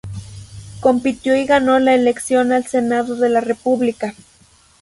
Compitió y ganó la elección al Senado de la república.